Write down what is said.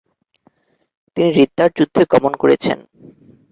তিনি রিদ্দার যুদ্ধে দমন করেছেন।